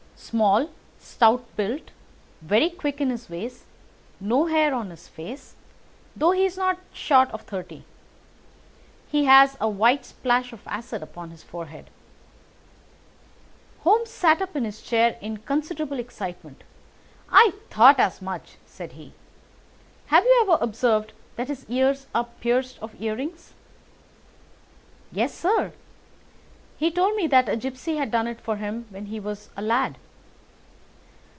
"Small, stout built, very quick in his ways, no hair on his face, though he's not short of thirty. Has a white splash of acid upon his forehead." Holmes sat up in his chair in considerable excitement. "I thought as much," said he. "Have you ever observed that his ears are pierced for earrings?" "Yes, sir. He told me that a gipsy had done it for him when he was a lad."